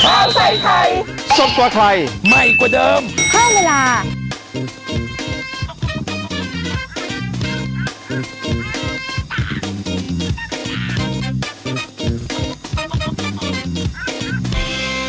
ข้าวใส่ไทยสดกว่าไทยใหม่กว่าเดิมเพิ่มเวลา